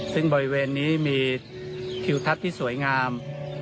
ซึ่งบริเวณนี้มีทิวทัศน์ที่สวยงาม